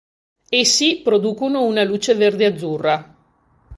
Essi producono una luce verde-azzurra.